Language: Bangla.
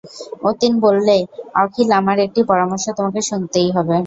অতীন বললে, অখিল আমার একটি পরামর্শ তোমাকে শুনতেই হবে।